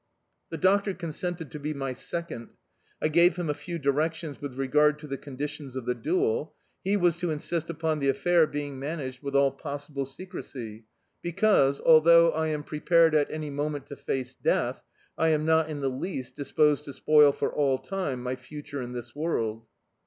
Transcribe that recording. The doctor consented to be my second; I gave him a few directions with regard to the conditions of the duel. He was to insist upon the affair being managed with all possible secrecy, because, although I am prepared, at any moment, to face death, I am not in the least disposed to spoil for all time my future in this world.